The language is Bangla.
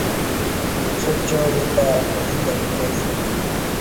সুচরিতা কহিল, কোনোদিন না!